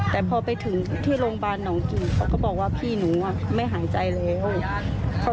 แต่พอไปถึงที่โรงพยาบาลหนองกี่เขาก็บอกว่าพี่หนูไม่หายใจแล้ว